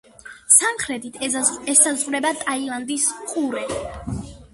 სამხრეთით ესაზღვრება ტაილანდის ყურე.